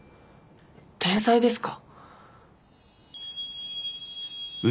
天才ですか？